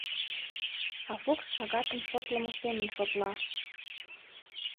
А Фукс шагатым шотлымо семын шотла: